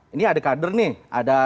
ini ada kadar nih ada